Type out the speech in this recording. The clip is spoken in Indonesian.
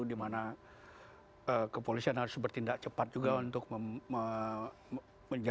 di mana kepolisian harus bertindak cepat juga untuk menjaga